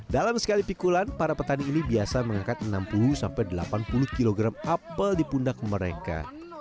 dalam sekali pikulan para petani ini biasa mengangkat enam puluh delapan puluh kg apel di pundak mereka